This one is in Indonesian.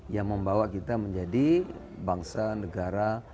yang membawa kita menjadi bangsa negara